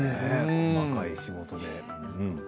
細かい仕事で。